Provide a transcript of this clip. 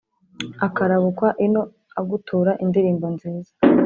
Akarabukwa ino agutura indirimbo nziza